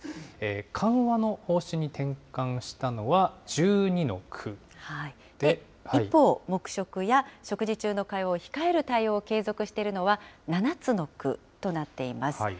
緩和の方針に転換したのは、１２一方、黙食や食事中の会話を控える対応を継続しているのは、７つの区となっています。